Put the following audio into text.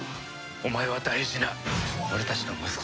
お前は大事な俺たちの息子だ。